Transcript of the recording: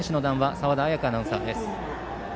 澤田彩香アナウンサーです。